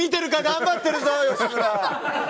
頑張ってるぞ、吉村。